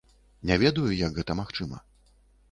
Не ведаю, як гэта магчыма.